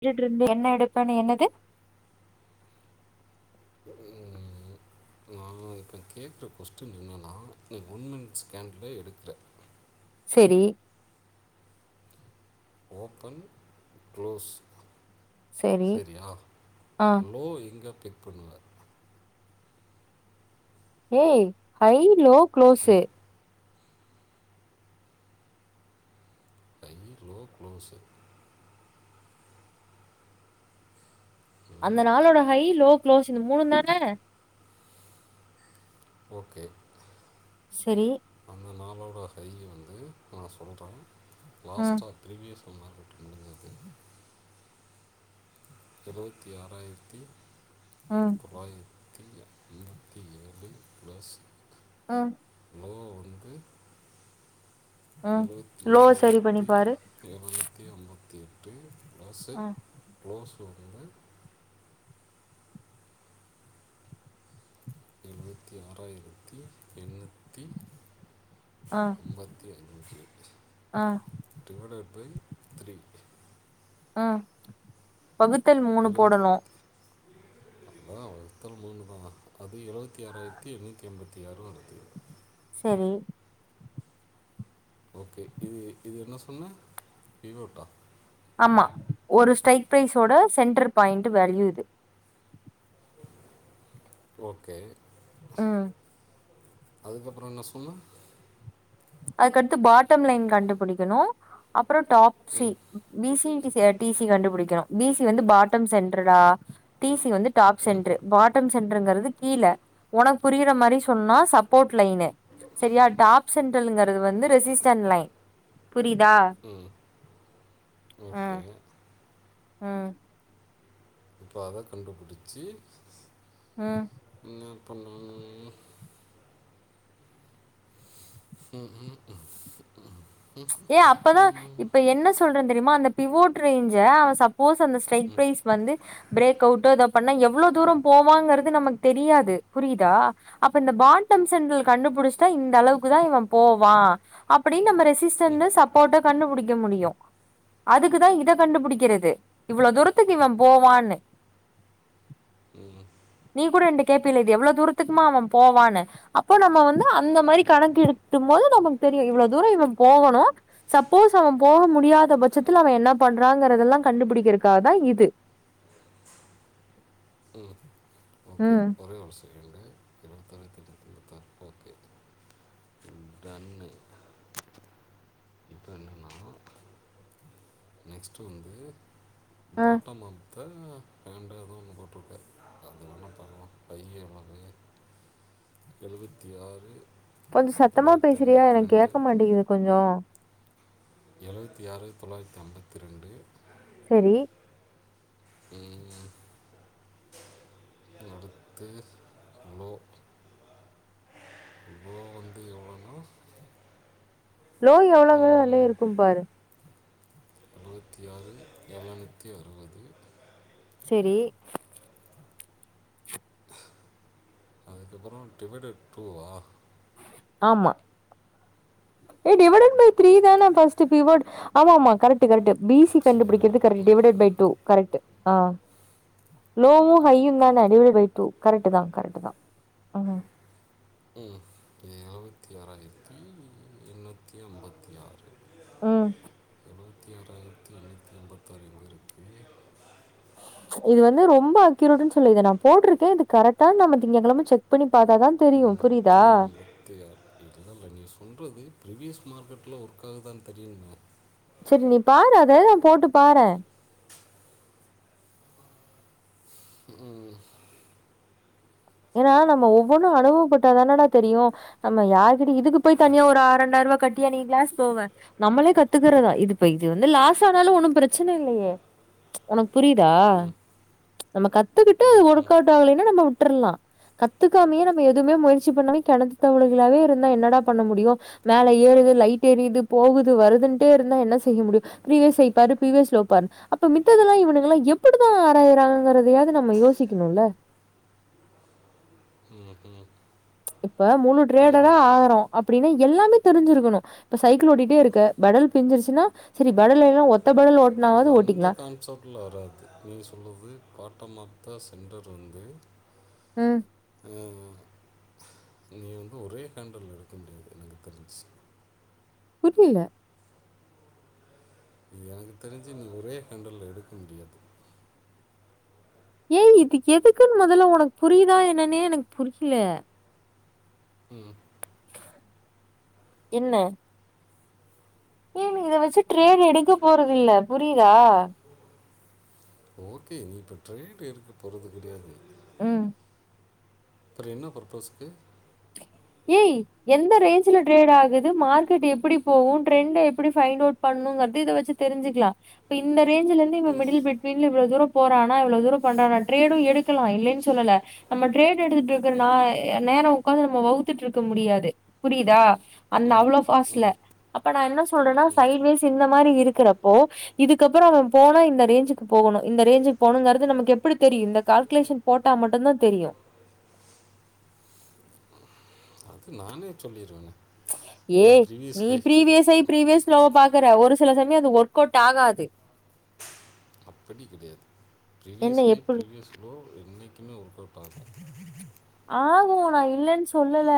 விட்டுட்டு இருந்து எண்ண எடுப்பேனு என்னது ம் நா இப்போ கேட்கற கொஸ்டின் என்னன்னா நீ கவர்மெண்ட் ஸ்கேண்டில எடுக்கிறே சரி ஓப்பன் க்ளோஸ் செரி சரியா ஆ லோ எங்க பண்ணுவ ஏய் ஐன் லோ க்ளோஸு தயிரோ க்ளோஸு அந்த ம் நாளோட ஹை லோ க்ளோஸு இந்த மூணும் தான ஓகே செரி ஒன்னோட ஹைலி வந்து நா சொல்ற ம் லாஸ்டா ப்ரீவியஸ் [unintelligible] எழுவத்தி ஆறாயிர்த்தி ம் ருபாய் எழுபத்தி ஏழு ப்ளஸ் ஆம் லோ வந்து ம் எழுவத்தி லோவ சரி பண்ணி ஆறாயிரத்தி பாரு எழுபத்தி ஒன்னு எட்டு க்ளோஸு ஆ க்ளோஸ் வந்து எழுவத்தி ஆறாயிரத்தி எண்ணூத்தி ஆ அம்பத்தி அஞ்சி ஆ டிவெடட் பை த்ரி ஆ பகுத்தல் மூணு போடணு அதா வகுத்தல் மூணுதா அது எழுவத்தி ஆறாயிரத்தி எண்ணூத்தி எண்பத்தி ஆறு வருது செரி ஓகே இது இது என்ன சொன்ன பீவோட்டா ஆமா ஒரு ஸ்டைக் ப்ரைஸோட சென்டரு பாயிண்டு வேல்யூ இது ஓகே ம் அதுக்கப்றோ என்ன சொன்ன அதுக்கடுத்து பாட்டம் லைன் கண்டுபுடிக்கணு அப் அப்றோ டாப் சி ம் பிசி டீ சிய டீ சி கண்டுபுடிக்கனு பீ சி வந்து பாட்டம் சென்ருடா டீ சி வந்து டாப் ம் சென்டறு பாட்டம் சென்றுங்கரது கீழ ஒனக்கு புரியிற மாறி சொன்னா சப்போர்ட் லைனு செரியா டாப்ஸ் சென்டரல்ங்கறது வந்து ரெசிஸ்டன் லைன் புரிதா ம் ஓகே ஆஹ் உம் இப்போ அத கண்டுபுடிச்சி உம் உம் உம் உம் உம் உம் ஏ அப்பதா இப்ப என்ன சொல்றன் தெரியுமா அந்த டிவோட் ரேஞ்ச அவ சப் [unintelligible] ஸ்ட்ரெக் ம் ப்ரைஸ் வந்து பிரேக் அவுட்டோ எதோ பண்ணா எவ்வளோ தூரோ போவாங்கிறது நமக்கு தெரியாது புரியுதா அப்ப இந்த பாட்டம் செண்டல் கண்டுபுடிஷ்டாட்டா இந்த அளவுக்கு தா இவன் போவா அப்படின்னு நம்ம ரெ ம் [unintelligible] சப்போட்டு கண்டுபுடி முடியு அதுக்குதா இத கண்டுபிடிக்கிறது இவ்ளோ தூரத்துக்கு இவ போவான்னு ம் நீ கூட என்ட கேட்பில இது எவ்வளவு தூரத்துக்குமா அவ போவான்னு அப்போ நம்ம வந்து அந்த மாதிரி கணக்கு எட்டும் போது நமக்கு தெரியு இவ்வளோ தூரோ இவன் போகணு சப்போஸ் அவ போக முடியாத பட்சத்துல அவ என்ன பண்றாங்கறதெல்லா கண்டுபிடிக்கிறதுக்காக தா இது உம் ஓகே ம் ஒரே ஒரு ஒன்ஸ் ரெண்டு [unintelligible] டன்னு இப்ப என்னனென்னா நெக்ஸ்ட்டு வந்து ஆ பாட்டமாம் [unintelligible] ஓகே அது வேணா பண்லா பையன் அளவு எழுவத்தி ஆறு கொஞ்சோ சத்தமா தொள்ளாயிரத்தி பேசுறியா ஐம்பத்தி எனக்கு ரெண்டு கேட்க மாட்டேங்குது கொஞ்சோ எழுவத்தி ஆறு தொளாயிரத்தி அம்பத்தி ரெண்டு செரி உம் அடுத்து நோ இவ்ளோ வந்து எவ்ளோனா லோவ் எவ்ளோ அளவு அதுலியே இருக்கும் பாரு அறுவத்தி ஆறு எழநூத்தி அறுவது செரி அதுக்கப்புறோ டிவைடட் டூவா ஆமா ஏ டிவைடட் பை த்ரீ தான ஃபஸ்ட்டு [unintelligible] ஆமா மா கரெக்டு கரெக்டு பிசி கண்டுபிடிக்கிற்து correct divided by two correct ஆ லோவு ஹையு தான டிவைடட் பை டூ கரெக்டு தா கரெக்டு தா உம் எண்ணூற்றி ஐம்பத்தி ஆறு உம் எழுபத்தி ஆறாயிரத்தி எண்ணூற்றி ஐம்பத்தாறு எங்கே இருக்குது இது வந்து ரொம்ப அக்யூரேடன்னு சொல்ல நா போட்டிருக்கே இது கரெக்டான நம்ம திங்க கெழம செக் பண்ணி பாத்தாதா தெரியு [unintelligible] நீ சொல்றது ப்ரிவியஸ் மார்க்கெட்ல ஒர்க்காகு தான் தெரியுனுமே சரி நீ பாரு அதெல்லா போட்டு பாறே ஏன்னா நம்ம ஒவ்வொன்னு அனுபவப்பட்டாதானடா தெரியு நம்ம யார்கிட்ட இதுக்கு போய் தனியா ஒரு ஆற ரெண்டாயிர ரூபாய் கட்டியா நீ கிளாஸ் போவே நம்மளே கத்துக்கறதா இது போ் இது வந்து லாஸ் ஆனாலு ஒண்ணு பிரச்சன இல்லையே உனக்கு புரியுதா ம், நம்ம கத்துக்கிட்டு அது ம், ஒர்க்வுட் ஆகலைன்னா நம்ம விட்டுரலா கத்துக்காமையே நம்ம எதுவுமே முயற்சி பண்ணாமே கெணத்து தவளைகளாவே இருந்தா என்னடா பண்ண முடியு மேல ஏறுது லைட் எரியுது போகுது வருதுன்டே இருந்தா என்ன செய்ய முடியு பிரிவியஸ் ஹைப்பாரு பிரிவியஸ் லோப்பாரு அப்ப மித்தெல்லா இவனுங்கல்லா எப்படிதா ஆராயறாங்கிறதையாவது நம்ம யோசிக்கணுல ம், இப்ப மூணு ம், ட்ரேடரா ம். ஆகறோ அப்டீனா எல்லாமே தெரிஞ்சிருக்கணு இப்ப சைக்கிள் ஓட்டிட்டேருக்க பெடல் பிஞ்சிருச்சின்னா செரி பெடல் வேனா ஒத் இது அந்த கான்சப்ட்ல வராது நீ சொல்றது காட்டம்மா தா சென்ரர் வந்து உம் உம் நீ வந்து ஒரே கேண்டுல்ல் எடுக்க முடியாது எனக்கு தெரிஞ் புரியில எனக்கு தெரிஞ்சு நீ ஒரே கேண்டுல்ல எடுக்க முடியாது ஏய் இதுக் எதுக்குன் மொதல்ல ஒனக் புரியுதா என்னன்னே எனக் புரிய்ல உம் என்ன ஏ நீ இத வெச்சு ட்ரேட் எடுக்கப் போறதில்ல புரியிதா ஓகே நீ இப்ப ட்ரேட் எடுக்க போறது கெடயாது உம் அப்ற என்ன பர்பஸுக்கு ஏய் எந்த ரேஞ்ல ட்ரேட் ஆகுது மார்கெட் எப்பிடி போகூ ட்ரண்ட எப்பிடி ஃபயிண்டவுட் பண்ணுங்றது இத வெச்சு தெரிஞ்சிக்லா பின்ன ரேஞ்சுலந்து இம மிடில் பெட்வின்ல இவ்ளொ தூரோ போறானா இவ்ளொ தூரொ பண்றானா ட்ரேடு எடுக்கலா இல்லெய்ன் சொல்லல நம்ம ட்ரேடு எடுத்துட்ருக்ர நா நேரொ உக்காந்து நம்ம வவுத்துட்ருக்க முடியாது புரியுதா அந்த ம் அவ்ளோ ஃபாஸ்ட்ல ம் அப்ப நா என்ன சொல்றேனா சைட்வேஸ் இந்த மாரி இருக்குறப்போ இதுக்கப்பறொ அவ போனா இந்த ரேஞ்சுக்கு போகணு இந்த ரேஞ்சுக் போகணுங்றது நமெக்கெப்பிடி தெரியு இந்த கால்க்குலேஷன் போட்டா மட்டுந்தா தெரியு அது நானே சொல்லீர்வனே ஏ நீ ப்ரீவியஸை ப்ரீவியஸ்லோவ பாக்கற ஒரு சில சமயொ அது ஒர்கொவுட் ஆகாது அப்படி கிடையாது என்ன ப்ரிவியஸ் ஃகை எப்படி ப்ரீவியஸ் ஃப்ளோ என்னைக்குமே ஒர்கெளவ்ட் ஆகு ஆகு நா இல்லென் சொல்லல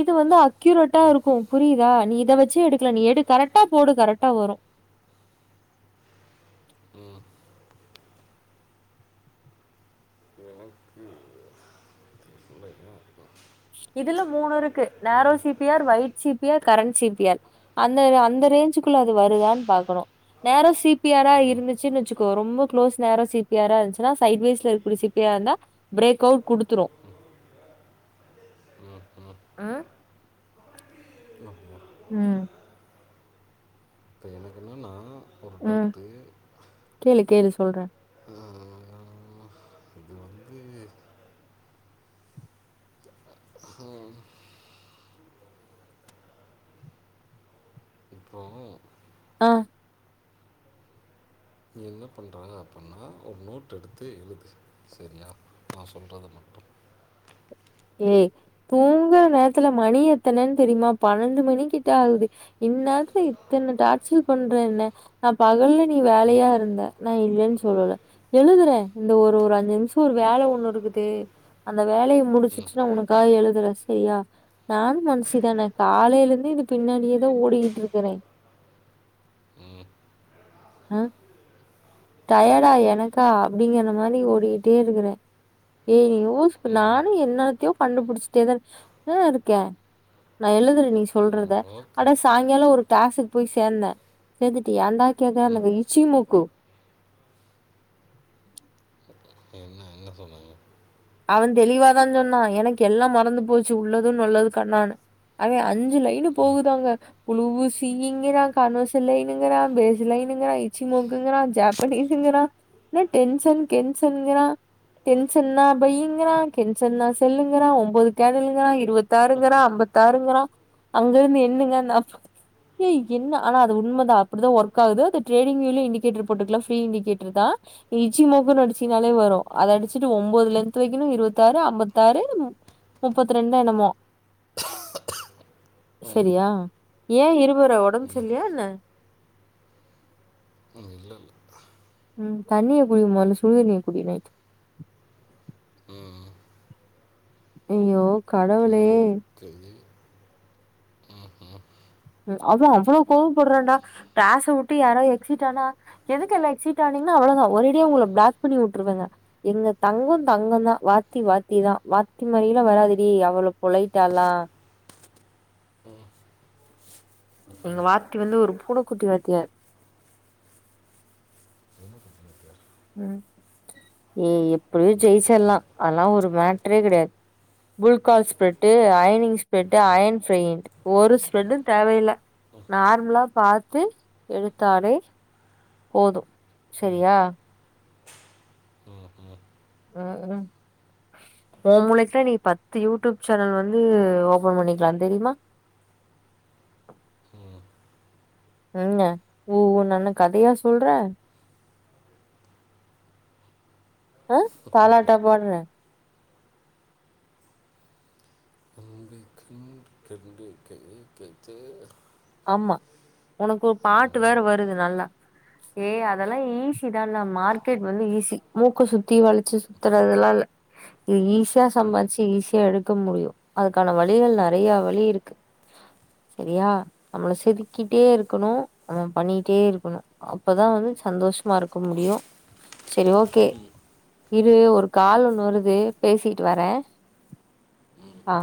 இது வந்து அஃ க்யூரட்டா இருக்கு புரியுதா நீ இத வெச்சு எடுக்லா நீ எடு கரெட்டா போடு கரெட்டா வரு ம் எனக்கு இல்லையா? இதுல மூ இருக்கு narrow C P R wide C P R current C P R அந்த அந்த ரேஞ்சுக்குள்ள அது வருதான்னு பாக்கணு நேரோ சி பி ஆர் இருந்துச்சுன்னு வச்சுக்கோ ரொம்ப குளோஸ் நேரோ சி பி ஆரா இருந்துச்சுன்னா சைட் வைஸ்ல இருக்கூடிய சி பி ஆர் இருந்தா பிரேக் அவுட் குடுத்துரு ம் ஆஹ் உம் இப்போ எனக்கு என்னென்னா ஒரு ம் டவுட்டு கேளு கேளு சொல்றே இது வந்து உம் இப்போ ஆஹ் நீ என்ன பண்ற அப்டின்னா ஒரு நோட் எடுத்து எழுது சரியா நா சொல்றது மட்டு ஏய் தூங்குற நேரத்துல மணி எத்தனைன்னு தெரியுமா பன்னண்டு மணிக்கிட்ட ஆகுது இ நேரத்துல இத்தன டாச்சல் பண்ற என்ன நா பகல்லல நீ வேலையா இருந்த நா இல்லைன்னு சொல்லல எழுதுறே இந்த ஒரு ஒரு அஞ்சு நிமிசோ ஒரு வேலை ஒண்ணு இருக்குது அந்த வேலையை முடிச்சுட்டு ஆக்சுவலி உனக்காக எழுதுற சரியா நானும் மனுஷுதான காலையில இருந்து இது பின்னாடியேதா ஓடிக்கிட்டு இருக்கிறேன் ம் ஹ ம் டய்டா எனக்கா அப்படிங்கற மாதிரி ஓடிக்கிட்டே இருக்கிறே ஏய் யோச ம் நானு என்ன த்தயோ கண்டுபிடிச்சட்டேதா ஆஹ் இருக்கே நா எழுதுறே நீ ம் சொல்றத ஓகே அடா சாயங்கால ஒரு கிளாசுக்கு போய் சேர்ந்தே சேர்ந்துட்டு ஏந்தா ம் கேகற இச்சிமூக்கு என்ன எங்க சொன்னாங்க அவன் தெளிவாதா சொன்னா எனக்கு எல்லா மறந்து போச்சு உள்ளதுன்னு நொல்லது கண்ணான்னு அவே அஞ்சு லைனு ம் போகுதாங்க புளுவு சீயுங்க்கற கணுசுலைனுக்கிறா பேஸுலைனுங்கறா இச்சிமோக்குங்காற ஜப்பனீஸ்ங்கிறா என்ன டென்ஷன் கென்ஷன்க்கிற டென்ஷனா பையங்கற கென்சன செல்லுங்கிறா ஒன்பது கேடுல்ங்கிற இருபத்த பத்தாருங்கறா ஐம்பத்தாருங்கறா அங்கருந்து என்னங்க அந்த அப் ஏய் என்ன ஆனா அது உண்ம தா அப்படிதா ஒர்க் ஆகுது அ டேண்டிகேட்டர் போட்டுக்கலா இண்டிகேட்டர் தா இச்சி மோக்குனு அடிச்சிங்னாலே வரு அத அடிச்சுட்டு ஒன்பதுலருந் த்து வைக்கணு இருபத்தாறு ஐம்பத்தாறு முப்பத்தி ரெண்டு என்னமோ செரியா ஏன் இருமுற ஒடம்பு சரில்லியா என்ன இல்லல்ல ம் தண்ணிய குடி மொதல்ல சுடுதண்ணிய குடி நைட் ஆ அய்யோ கடவுளே எனக்கு ஆ அவ அவ்ளோ கோவப்படுரான்டா க்லாஸ்ஸ வுட்டு யாரா எக்சிட் ஆனா எதுக்கு எல்லா எக்சிட் ஆனீங்னா அவ்வளதா ஒரேடியா உங்கள பிளாக் பண்ணி வுட்ருவேங்க எங்க தங்கொ தங்கொந்தா வாத்தி வாத்திதா வாத்தி மாரிலா வராதுடி அவ்ளோ பொலைட்டாலா ம் எங்க அப்படியா வாத்தி வந்து ஒரு புழு குட்டிவாத்தியார் [inaudible] ம் ஏய் எப் எப்படியு ஜெயிச்சர்லா அதல்லா ஒரு மேட் மற்றே கிடையாது புல்கால் ஸ்பரெ் அயனிங் ஸ்ப்ரெட் அயன் பெயிண் ஒரு ஸ்பரெடு தேவையில்ல நார்மலா பாத்து த்து எடுத்தாலே போது ம் சரியா ம் ம் ம் ம் உ முளைக்குகெல்லா நீ பத்து யூடியூப் சேனல் வந்து உ ஓபன் பண்ணிக்கலா தெரியுமா ம் என்ன உ ஊ என்ன கதையா சொல்றே ம் தாலாட்டா பாடுர [unintelligible] ஆமா ஆ உனக்கு பாட்டு ம் வேற வருது நல்லா ஏய் அதெல்லா ஈஸிதான்ல்ல மார்க்கெட் வந்து ஈஸி மூக்க சுத்தி வளைச்சு சுத்துறதெல்லா நீ ஈஸியா ம் சம்பாதிச்சு ஈஸியா எடுக்க முடியு அதுக்கான வழிகள் நறைய வழிகள் இருக்கு சரியா நம்மள செதுக்கிட்டே இருக்கணு நம்மல பண்ணிட்டே இருக்கணு அப்பதா வந்து சந்தோஷமா இருக்க முடியு சரி ஓக்கே இரு ஒரு கால் ஒன்னு வருது பேசிட்டு வரே ஆ